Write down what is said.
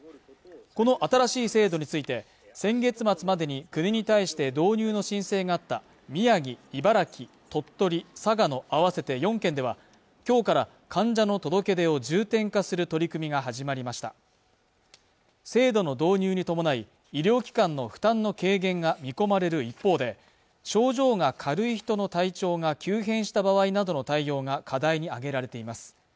この新しい制度について先月末までに国に対して導入の申請があった宮城、茨城鳥取、佐賀の合わせて４県では今日から患者の届け出を重点化する取り組みが始まりました制度の導入に伴い医療機関の負担の軽減が見込まれる一方で症状が軽い人の体調が急変した場合などの対応が課題に挙げられています